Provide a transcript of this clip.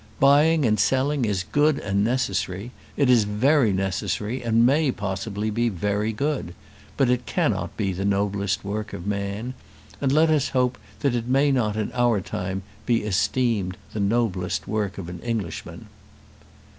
Buying and selling is good and necessary; it is very necessary, and may, possibly, be very good; but it cannot be the noblest work of man; and let us hope that it may not in our time be esteemed the noblest work of an Englishman.